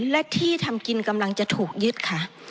และที่ทำกินกำลังจะถูกยึดค่ะ